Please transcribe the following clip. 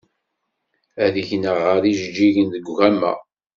Ad gneɣ gar yijeǧǧigen deg ugama.